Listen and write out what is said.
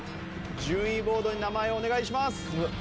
順位ボードに名前をお願いします。